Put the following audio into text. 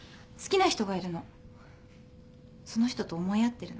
その人と思い合ってるの。